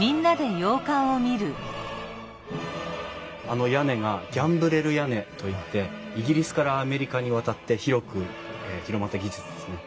あの屋根がギャンブレル屋根といってイギリスからアメリカに渡ってひろく広まった技術ですね。